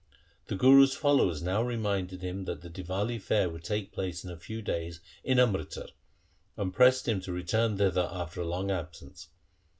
The Guru's followers now reminded him that the Diwali fair would take place in a few days in Amritsar, and pressed him to return thither after his long absence.